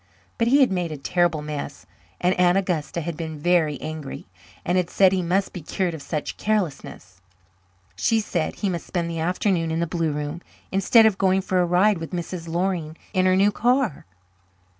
But he had made a terrible mess and Aunt Augusta had been very angry and had said he must be cured of such carelessness. She said he must spend the afternoon in the blue room instead of going for a ride with Mrs. Loring in her new car.